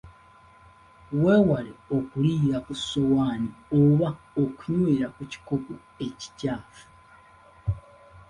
Weewale okuliira ku ssowaani oba okunywera ku kikopo ekikyafu.